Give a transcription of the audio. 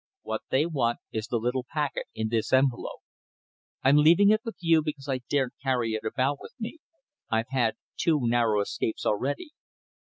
What they want is the little packet in this envelope. I'm leaving it with you because I daren't carry it about with me. I've had two narrow escapes already.